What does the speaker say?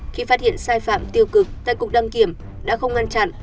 khi phát hiện sai phạm tiêu cực tại cục đăng kiểm đã không ngăn chặn